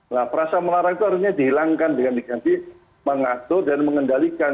nah perasa melarang itu harusnya dihilangkan dengan diganti mengatur dan mengendalikan